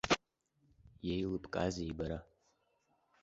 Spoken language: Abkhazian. Иеилыбкаазеи бара?